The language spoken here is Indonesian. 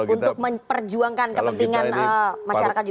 untuk memperjuangkan kepentingan masyarakat juga